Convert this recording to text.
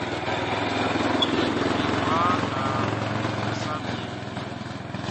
Ɔ le like kwlaa nga ɔ sa miɛn i wunʼn.